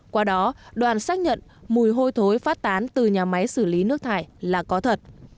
qua đó đoàn xác nhận mùi hôi thối phát tán từ nhà máy xử lý nước thải là có thật